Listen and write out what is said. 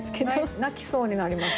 泣きそうになりますね。